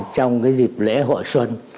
trong cái dịp lễ hội xuân